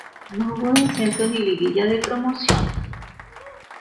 No hubo descenso ni liguilla de promoción.